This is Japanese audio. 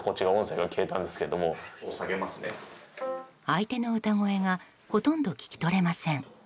相手の歌声がほとんど聞き取れません。